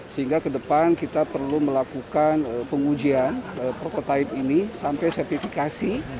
sehingga ke depan kita perlu melakukan pengujian prototipe ini sampai sertifikasi